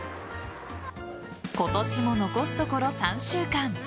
今年も残すところ３週間。